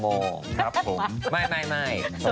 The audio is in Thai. พอละไปก่อนที่นี้เจอกันใหม่นะฮะ